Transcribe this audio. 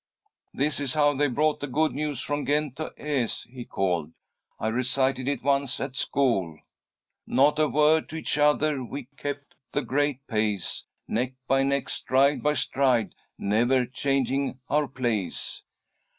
"This is how they brought the good news from Ghent to Aix," he called. "I recited it once at school! "'Not a word to each other; we kept the great pace, Neck by neck, stride by stride, never changing our place.'"